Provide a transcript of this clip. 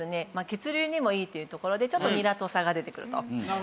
血流にもいいというところでちょっとニラと差が出てくると。